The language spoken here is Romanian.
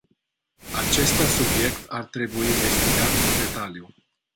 Acesta subiect ar trebui investigat în detaliu.